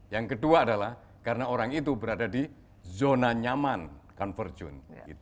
yang kedua adalah karena orang itu berada di zona nyaman converjone